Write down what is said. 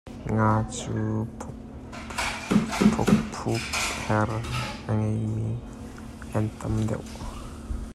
Nga cu phukphuher a ngeimi an tam deuh.